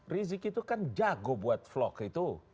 rizik itu kan jago buat vlog itu